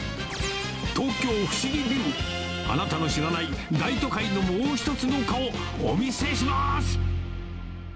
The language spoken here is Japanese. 東京不思議ビュー、あなたの知らない大都会のもう一つの顔、お見せします。